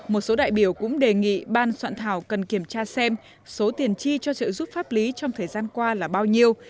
một số đại biểu cũng đề nghị ban soạn thảo cần kiểm tra xem số tiền chi cho trợ giúp pháp lý trong thời gian qua là bao nhiêu